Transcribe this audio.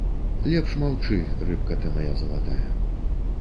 Лепш маўчы, рыбка ты мая залатая.